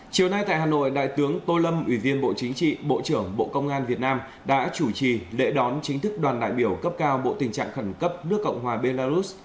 chiều nay tại hà nội đại tướng tô lâm ủy viên bộ chính trị bộ trưởng bộ công an việt nam đã chủ trì lễ đón chính thức đoàn đại biểu cấp cao bộ tình trạng khẩn cấp nước cộng hòa belarus